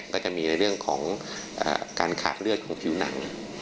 ก็จะมีในเรื่องของการขาดเลือดของผิวหนัง